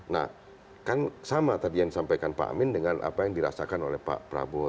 nah kan sama tadi yang disampaikan pak amin dengan apa yang dirasakan oleh pak prabowo